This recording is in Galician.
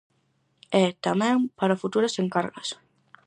E, tamén, para futuras encargas.